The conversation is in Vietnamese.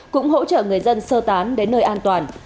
cũng hỗ trợ người dân sơ tán đến nơi an toàn